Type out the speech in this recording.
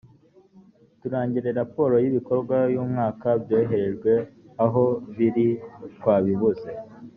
turangire raporo y’ibikorwa y’umwaka byoherejwe aho biri twabibuze